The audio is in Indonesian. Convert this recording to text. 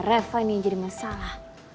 reva ini jadi masalah